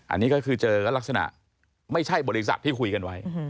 อันนี้ก็คือเจอก็ลักษณะไม่ใช่บริษัทที่คุยกันไว้